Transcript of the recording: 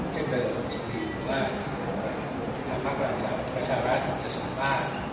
เจ้าเดินอีกทีว่าพระราชาาาที่จะสุขมาก